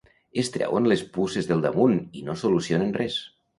Es treuen les puces del damunt i no solucionen res.